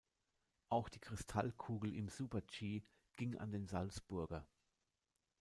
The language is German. Auch die Kristallkugel im Super-G ging an den Salzburger.